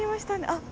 あっ。